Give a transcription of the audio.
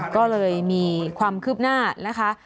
ก็เลยมีความคืบหน้านะคะ